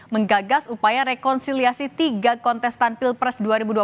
menggagas upaya rekonsiliasi tiga kontestan pilpres dua ribu dua puluh